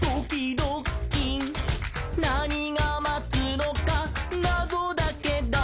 「なにがまつのかなぞだけど」